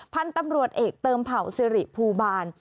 พันธุ์ตำรวจเอกเติมเผ่าสิริภูบาล